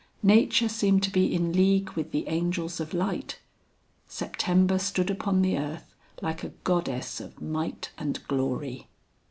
Nature seemed to be in league with the angels of light. September stood upon the earth like a goddess of might and glory.